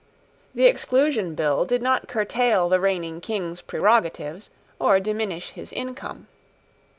The Exclusion Bill did not curtail the reigning King's prerogatives, or diminish his income.